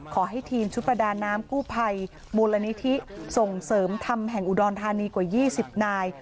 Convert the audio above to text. ขอให้ทีมชุดประดาน้ำกู้ภัยมูลนิธิส่งเสริมธรรมแห่งอุดรธานีกว่า๒๐นาย